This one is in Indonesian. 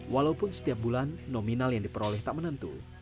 walaupun setiap bulan nominal yang diperoleh tak menentu